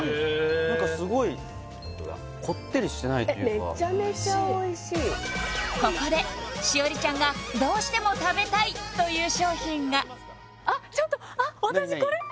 何かすごいこってりしてないというかめちゃめちゃおいしいここで栞里ちゃんがという商品がちょっと私これ何？